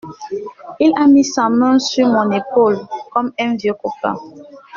Il a mis sa main sur mon épaule, comme un vieux copain.